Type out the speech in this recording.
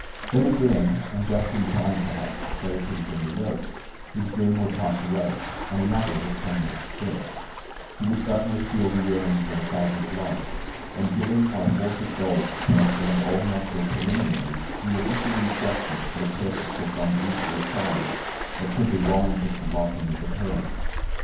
Then again (and just in time perhaps to save him from the yoke) his dream would pass away, and another would come in its stead; he would suddenly feel the yearnings of a father's love, and willing by force of gold to transcend all natural preliminaries, he would issue instructions for the purchase of some dutiful child that could be warranted to love him as a parent.